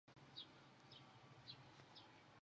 各层楼皆装设火灾自动警报设备。